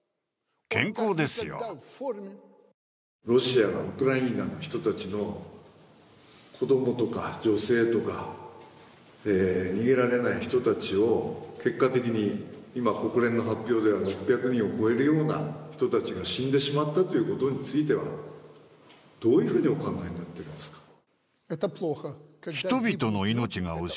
ロシアがウクライナの人たちの子供とか女性とか逃げられない人たちを結果的に、今国連の発表では６００人を超えるような人たちが死んでしまったということについてはどういうふうにお考えになっているんですか？